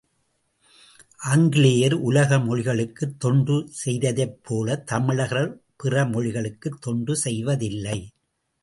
ஆங்கிலேயர் உலக மொழிகளுக்குத் தொண்டு செய்ததைப் போலத் தமிழர்கள் பிறமொழிகளுக்குத் தொண்டு செய்வதில்லை!